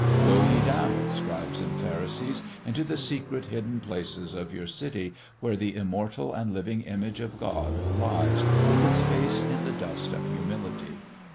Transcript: Go ye down, scribes and pharisees, into the secret, hidden places of your city where the immortal and living image of God lies with its face in the dust of humility.